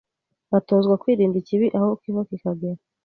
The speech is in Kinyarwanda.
batozwa kwirinda ikibi aho kiva kikagera.